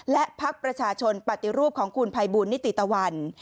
และพักประชาชนปฏิรูปของคุณภัยบูลนิติตะวัน